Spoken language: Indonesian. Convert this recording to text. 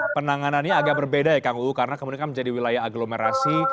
penanganannya agak berbeda ya kang uu karena kemudian kan menjadi wilayah aglomerasi